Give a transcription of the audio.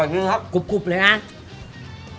อร่อยจริงครับกรุบเลยนะ